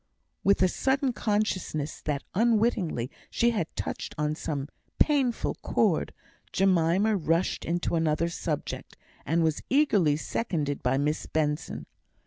With a sudden consciousness that unwittingly she had touched on some painful chord, Jemima rushed into another subject, and was eagerly seconded by Miss Benson.